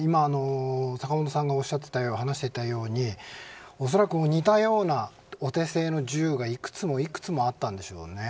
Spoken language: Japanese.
坂元さんがおっしゃっていたようにおそらく似たようなお手製の銃がいくつもいくつもあったんでしょうね。